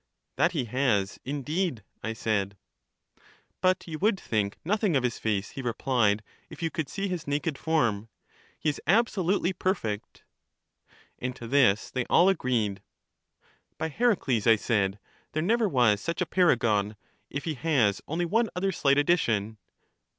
That he has, indeed, I said. But you would think nothing of his face, he replied, if you could see his naked form : he is absolutely per fect. And to this they all agreed. By Heracles, I said, there never was such a para gon, if he has only one 6ther slight addition.